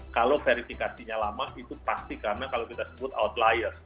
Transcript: kalau verifikasinya lama itu pasti karena kalau kita sebut outlier